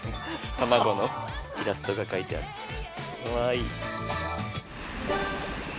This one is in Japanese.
タマゴのイラストが描いてあってかわいい。